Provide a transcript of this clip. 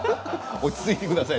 落ち着いてください。